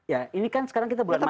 ya ini kan sekarang kita bulan maret